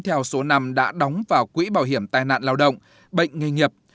theo số năm đã đóng vào quỹ bảo hiểm tai nạn lao động bệnh nghề nghiệp